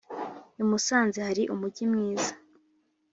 imusanze hari umugi mwiza